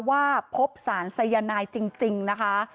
ว่าพบสารสายนายจริงนะคะ